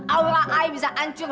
aura air bisa hancur